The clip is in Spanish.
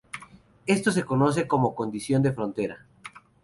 Esto se conoce como condición de frontera.